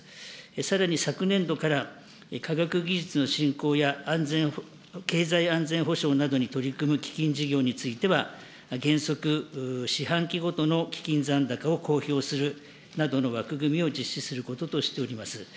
さらに、昨年度から科学技術の振興や経済安全保障などに取り組む基金事業については、原則四半期ごとの基金残高を公表するなどの枠組みを実施することとしております。